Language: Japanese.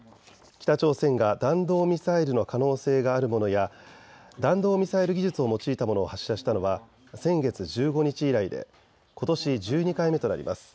北朝鮮が弾道ミサイルの可能性があるものや弾道ミサイル技術を用いたものを発射したのは先月１５日以来でことし１２回目となります。